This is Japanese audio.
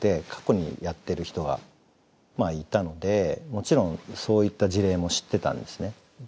もちろんそういった事例も知ってたんですね。